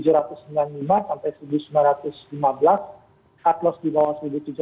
cut loss di bawah satu tujuh ratus lima puluh